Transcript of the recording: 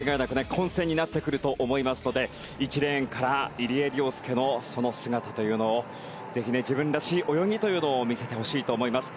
これは間違いなく混戦になってくると思いますので１レーンから入江陵介の姿をぜひ自分らしい泳ぎというのを見せてほしいと思います。